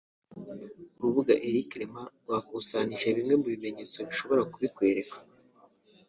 urubuga Elcrema rwakusanyije bimwe mu bimenyetso bishobora kubikwereka